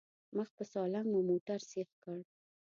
مخ په سالنګ مو موټر سيخ کړ.